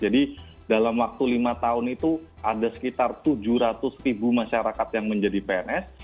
jadi dalam waktu lima tahun itu ada sekitar tujuh ratus ribu masyarakat yang menjadi pns